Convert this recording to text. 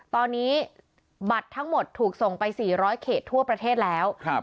ตอนนี้บัตรทั้งหมดถูกส่งไปสี่ร้อยเขตทั่วประเทศแล้วครับ